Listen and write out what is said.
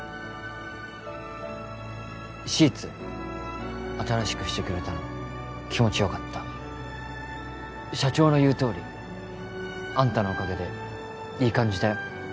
シーツ新しくしてくれた気持ちよかった社長の言うとおりあんたのおかげでいい感じだよ